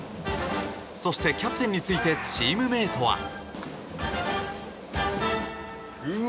そしてキャプテンについてチームメートは。